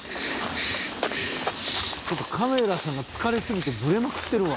「ちょっとカメラさんが疲れすぎてブレまくってるわ」